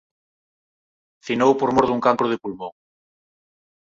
Finou por mor dun cancro de pulmón.